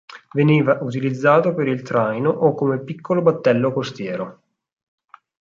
Veniva utilizzato per il traino o come piccolo battello costiero.